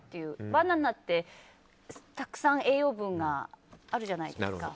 バナナって、たくさん栄養分があるじゃないですか。